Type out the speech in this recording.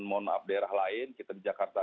mohon maaf daerah lain kita di jakarta